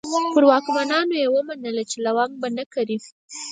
پر واکمنانو یې ومنله چې لونګ به نه کري.